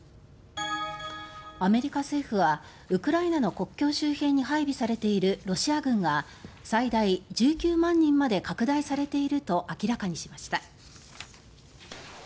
アメリカ政府はウクライナの国境周辺に配備されているロシア軍が最大１９万人まで拡大されていると明らかにしました。